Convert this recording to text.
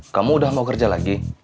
kamu udah mau kerja lagi